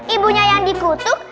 ibunya yang dikutuk